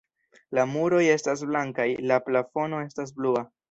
La muroj estas blankaj, la plafono estas blua.